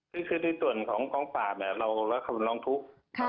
คือด้วยส่วนของกองฝ่าเราและควรร้องทุกข์